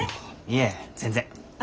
いえ全然。